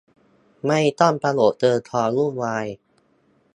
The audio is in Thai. ไม่ต้องประโยคเชิงซ้อนวุ่นวาย